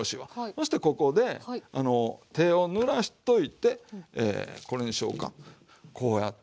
そしてここで手をぬらしといてこれにしようかこうやって。